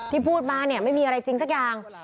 พูดมาเนี่ยไม่มีอะไรจริงสักอย่าง